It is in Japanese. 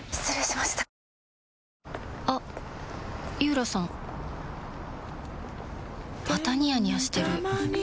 またニヤニヤしてるふふ。